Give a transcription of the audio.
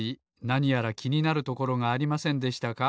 なにやらきになるところがありませんでしたか？